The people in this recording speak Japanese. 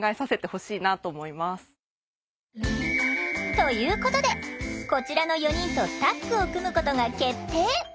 ということでこちらの４人とタッグを組むことが決定！